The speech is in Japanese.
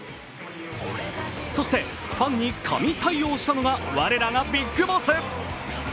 そして、ファンに神対応したのが、我らがＢＩＧＢＯＳＳ。